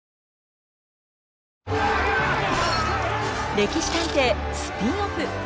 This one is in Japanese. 「歴史探偵」スピンオフ。